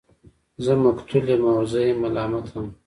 زه مقتول يمه او زه يم ملامت هم